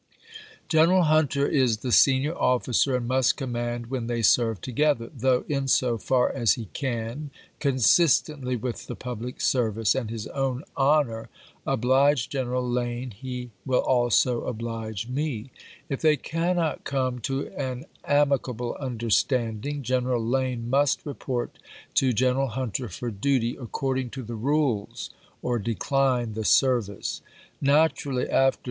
General Hunter is the senior offi cer, and must command when they serve together ; though, in so far as he can, consistently with the public service and his own honor, oblige General Lane he will also oblige me. If they cannot come Liucom to to an amicable understanding. General Lane must a^dTJuJe, report to General Hunter for duty, according to 1862!^ w.'r. .7 7 0 ^^j VIII., the rules, or decline the service." Naturally after p.